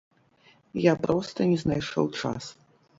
Я проста не знайшоў час.